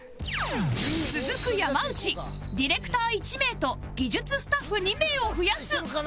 続く山内ディレクター１名と技術スタッフ２名を増やす